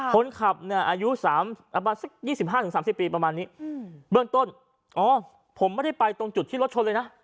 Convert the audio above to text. คนขับเนี่ยอายุสัก๒๕๓๐ปีประมาณนี้เบื้องต้นอ๋อผมไม่ได้ไปตรงจุดที่รถชนเลยนะ